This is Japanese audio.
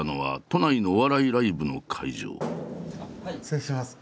失礼します。